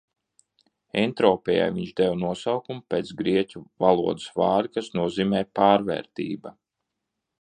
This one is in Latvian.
"Entropijai viņš deva nosaukumu pēc grieķu valodas vārda, kas nozīmē "pārvērtība"."